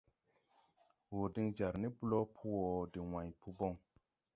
Wur din jar ni blo po wo de wãy po bon.